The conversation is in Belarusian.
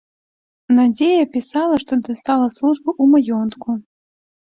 Надзея пісала, што дастала службу ў маёнтку.